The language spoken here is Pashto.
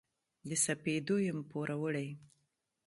د سپېدو یم پوروړي